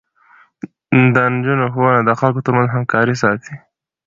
د نجونو ښوونه د خلکو ترمنځ همکاري ساتي.